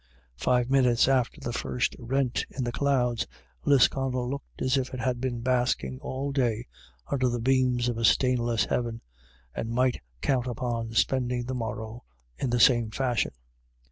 Five minutes after the first rent in the clouds, Lis connel looked as if it had been basking all day under the beams of a stainless heaven, and might count upon spending the morrow in the same fashion.